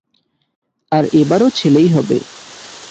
আর এবারও ছেলেই হবে।